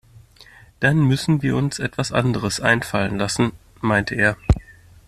Dann müssen wir uns etwas anderes einfallen lassen, meinte er.